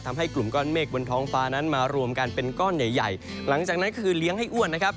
ทำให้กลุ่มก้อนเมฆบนท้องฟ้านั้นมารวมกันเป็นก้อนใหญ่ใหญ่หลังจากนั้นคือเลี้ยงให้อ้วนนะครับ